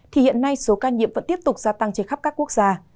thì hiện nay số ca nhiễm vẫn tiếp tục gia tăng trên khắp các quốc gia